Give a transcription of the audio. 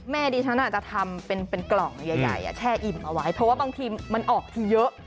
ดิฉันอาจจะทำเป็นกล่องใหญ่แช่อิ่มเอาไว้เพราะว่าบางทีมันออกทีเยอะ